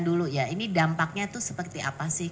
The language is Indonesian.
dulu ya ini dampaknya itu seperti apa sih